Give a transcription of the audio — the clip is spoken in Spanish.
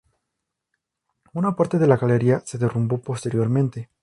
Una parte de la galería se derrumbó posteriormente.